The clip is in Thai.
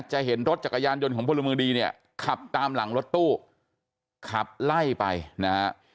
เห็นรถจักรยานยนต์ของพลเมืองดีเนี่ยขับตามหลังรถตู้ขับไล่ไปนะฮะ